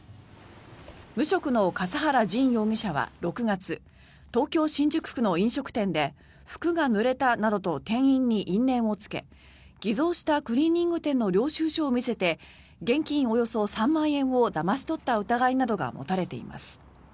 無職の笠原仁容疑者は６月東京・新宿区の飲食店で服がぬれたなどと店員に因縁をつけ偽造したクリーニング店の領収書を見せて現金およそ３万円をだまし取った疑いなどが持たれています。